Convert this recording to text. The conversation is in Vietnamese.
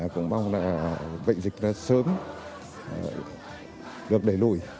cũng mong là bệnh dịch sớm được đẩy lùi